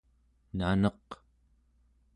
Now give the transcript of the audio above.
naneq